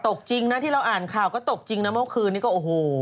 จริงนะที่เราอ่านข่าวก็ตกจริงนะเมื่อคืนนี้ก็โอ้โห